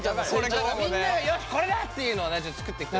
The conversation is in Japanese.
みんながよしこれだっていうのを作ってきてよ。